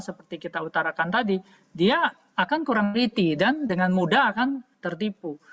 seperti perakkan tadi dia akan kurang reti dan dengan mudah akan tertipu